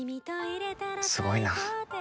すごいな。